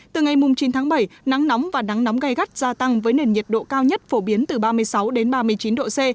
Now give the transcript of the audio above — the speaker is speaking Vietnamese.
từ ngày chín tháng bảy nắng nóng và nắng nóng gai gắt gia tăng với nền nhiệt độ cao nhất phổ biến từ ba mươi sáu đến ba mươi chín độ c